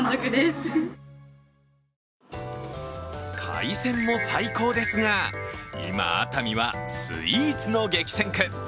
海鮮も最高ですが、今、熱海はスイーツの激戦区。